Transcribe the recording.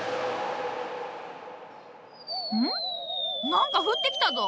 何か降ってきたぞ。